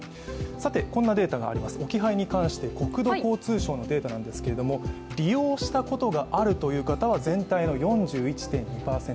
こんなデータがあります、置き配に関して、国土交通省のデータなんですが、利用したことがあるという方は全体の４１．２％。